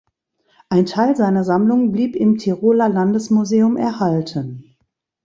Ein Teil seiner Sammlung blieb im Tiroler Landesmuseum erhalten.